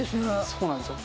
そうなんですよ。